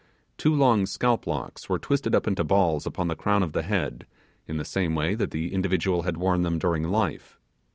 The two long scalp locks were twisted up into balls upon the crown of the head in the same way that the individual had worn them during life.